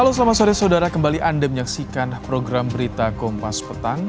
halo selamat sore saudara kembali anda menyaksikan program berita kompas petang